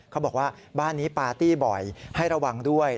เขาบอกว่าบ้านนี้ปาร์ตี้บ่อยให้ระวังด้วย